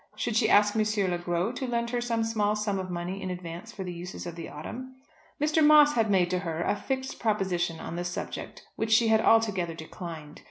Should she ask M. Le Gros to lend her some small sum of money in advance for the uses of the autumn? Mr. Moss had made to her a fixed proposition on the subject which she had altogether declined.